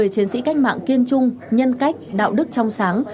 chiến sĩ cách mạng kiên trung nhân cách đạo đức trong sáng